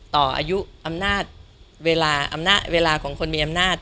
ต่ออายุอำนาจเวลาของคนมีอำนาจ